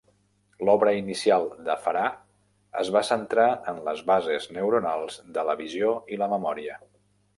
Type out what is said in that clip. L'obra inicial de Farah es va centrar en les bases neuronals de la visió i la memòria.